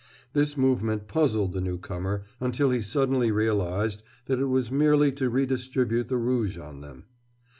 This movement puzzled the newcomer until he suddenly realized that it was merely to redistribute the rouge on them.